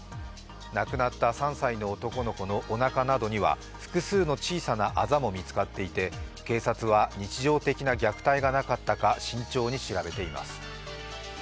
亡くなった３歳の男の子のおなかなどには複数の小さなあざも見つかっていて警察は日常的な虐待がなかったか慎重に調べています。